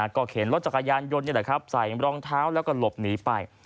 ก็เข็นรถจักรยานยนต์นี่แหละครับใส่รองเท้าแล้วก็หลบหนีไป